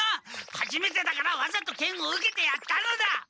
はじめてだからわざと剣を受けてやったのだ！